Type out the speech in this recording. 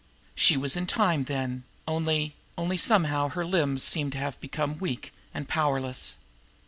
She was in time, then only only somehow now her limbs seemed to have become weak and powerless.